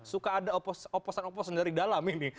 suka ada oposan oposan dari dalam ini